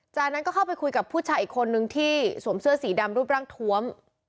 จากนั้นก็เข้าไปคุยกับผู้ชายอีกคนนึงที่สวมเสื้อสีดำรูปร่างทวม